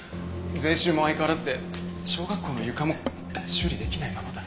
税収も相変わらずで小学校の床も修理できないままだ。